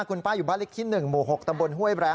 คุณป้าอยู่บ้านเล็กที่๑หมู่๖ตำบลห้วยแรม